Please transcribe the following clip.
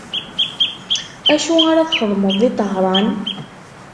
Acu ara txedmeḍ di Tahran?